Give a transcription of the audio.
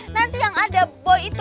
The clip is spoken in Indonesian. nanti yang ada boy itu